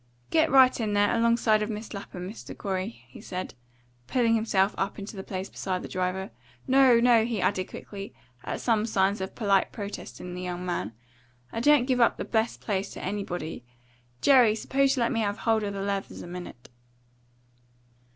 "Get right in there, alongside of Miss Lapham, Mr. Corey," he said, pulling himself up into the place beside the driver. "No, no," he had added quickly, at some signs of polite protest in the young man, "I don't give up the best place to anybody. Jerry, suppose you let me have hold of the leathers a minute."